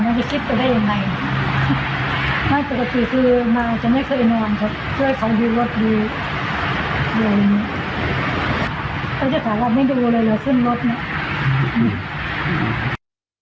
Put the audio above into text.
คนที่กดเราไม่เคยนอนเราคิดว่าได้ยังไง